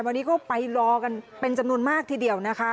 วันนี้ก็ไปรอกันเป็นจำนวนมากทีเดียวนะคะ